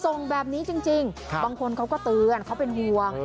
ส่งแบบนี้จริงบางคนเขาก็เตือนเขาเป็นห่วง